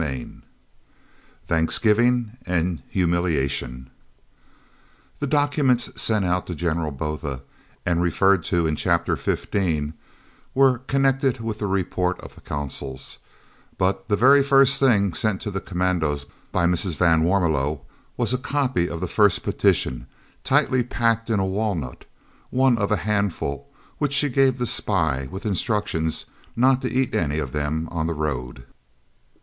CHAPTER XX THANKSGIVING AND HUMILIATION The documents sent out to General Botha, and referred to in Chapter XV, were connected with the report of the Consuls, but the very first thing sent to the commandos by Mrs. van Warmelo was a copy of the first petition, tightly packed in a walnut, one of a handful which she gave the spy, with instructions not to eat any of them on the road.